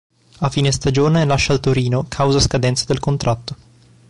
A fine stagione lascia il Torino causa scadenza del contratto.